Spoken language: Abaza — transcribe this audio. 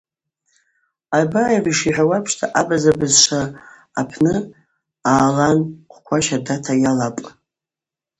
Абаев йшихӏвауа апшта, абаза бызшва апны аалан хъвква щардата йалапӏ.